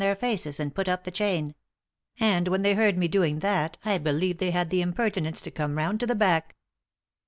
their faces and put up the chain ; and when they heard me doing that I believe they had the impertinence to come round to the back."